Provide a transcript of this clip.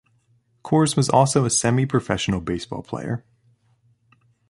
Coors was also a semi-professional baseball player.